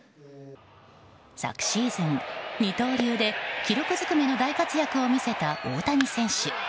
昨シーズン、二刀流で記録ずくめの大活躍を見せた大谷選手。